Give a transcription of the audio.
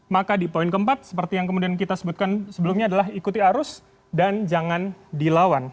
maka di poin keempat seperti yang kemudian kita sebutkan sebelumnya adalah ikuti arus dan jangan dilawan